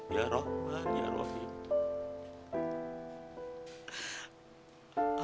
ya rahman ya rahim